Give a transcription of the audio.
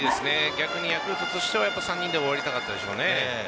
逆にヤクルトとしては３人で終わりたかったでしょうね。